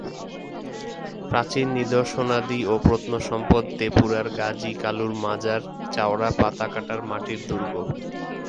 প্রাচীন নিদর্শনাদি ও প্রত্নসম্পদ তেপুরার গাজী কালুর মাযার, চাওড়া পাতাকাটার মাটির দুর্গ।